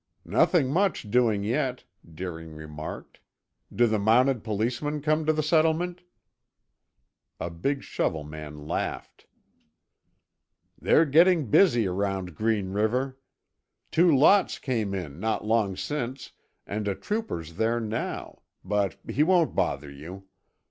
"Nothing much doing yet," Deering remarked. "Do the mounted policemen come to the settlement?" A big shovel man laughed. "They're getting busy around Green River. Two lots came in not long since and a trooper's there now, but he won't bother you.